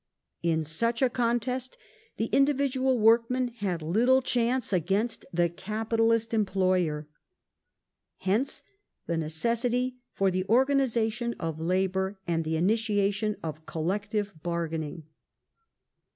In such a contest the individual workman had little chance against the capitalist employer. Hence Trade the necessity for the organization of labour and the initiation of collective bargaining.